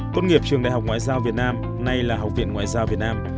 tốt nghiệp trường đại học ngoại giao việt nam nay là học viện ngoại giao việt nam